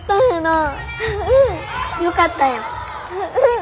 うん！よかったやん。